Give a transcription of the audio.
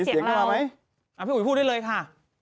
เสียงมาไหมพี่อุ๋ยพูดได้เลยค่ะ